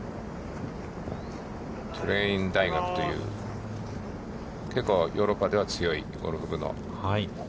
トレイン大学という、結構ヨーロッパでは強いゴルフ部の。